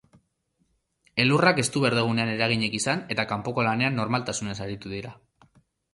Elurrak ez du berdegunean eraginik izan eta kanpoko lanean normaltasunez aritu dira.